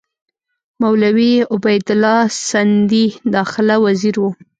مولوي عبیدالله سندي داخله وزیر وو.